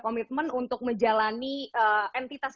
komitmen untuk menjalani entitas